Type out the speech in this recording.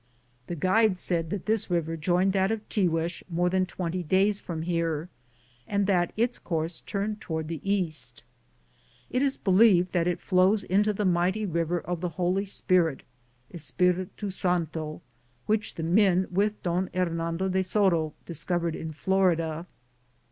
The guides said this river joined that cf Tiguex more than 20 days from here, and that its course turned toward the east. It is believed that it flows into the mighty river of the Holy Spirit {Espiritu Santo), 76 sit, Google THE JOURNEY OP OORONADO which the men with Bon Hernando de Soto discovered in Florida.